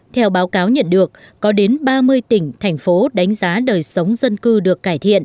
theo báo cáo nhận được có đến ba mươi tỉnh thành phố đánh giá đời sống dân cư được cải thiện